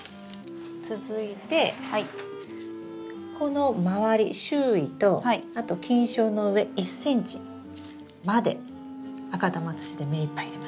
続いてこの周り周囲とあと菌床の上１ｃｍまで赤玉土で目いっぱい入れます。